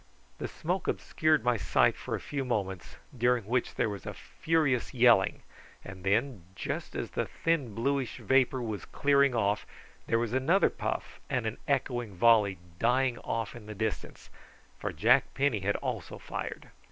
The smoke obscured my sight for a few moments, during which there was a furious yelling, and then, just as the thin bluish vapour was clearing off, there was another puff, and an echoing volley dying off in the distance, for Jack Penny had also fired.